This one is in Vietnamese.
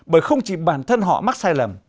bởi không chỉ bản thân họ mắc sai lầm